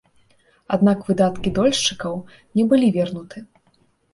Аднак выдаткі дольшчыку не былі вернуты.